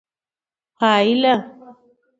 پايله